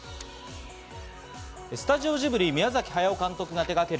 スタジオジブリ、宮崎駿監督が手がける